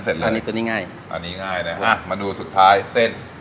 เสร็จเลย